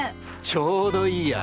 ちょうどいいや。